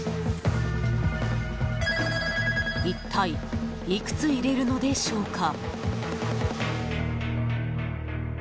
一体いくつ入れるのでしょうか。